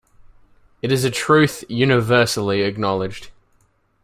It is a truth universally acknowledged.